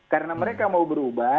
karena mereka mau berubah